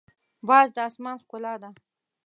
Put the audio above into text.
باز د اسمان ښکلا ده